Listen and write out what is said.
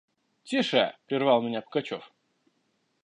– Тише! – прервал меня Пугачев.